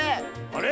あれ？